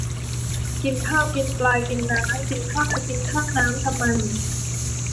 กินข้าว กินปลา กินน้ำ กินท่า กินท่าน้ำทำไม